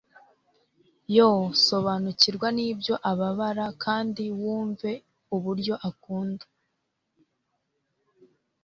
Yoo Sobanukirwa nibyo ababara kandi wumve uburyo akunda